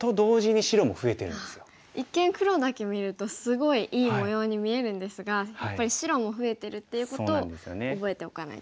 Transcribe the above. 一見黒だけ見るとすごいいい模様に見えるんですがやっぱり白も増えてるっていうことを覚えておかないといけないですね。